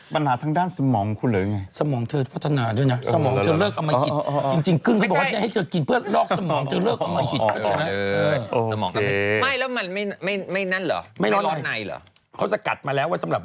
ปัญหาทางด้านสมองนะครับ